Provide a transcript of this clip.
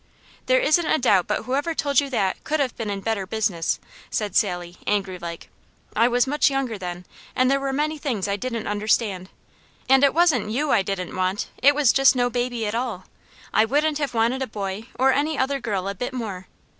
"There isn't a doubt but whoever told you that, could have been in better business," said Sally, angry like. "I was much younger then, and there were many things I didn't understand, and it wasn't you I didn't want; it was just no baby at all. I wouldn't have wanted a boy, or any other girl a bit more.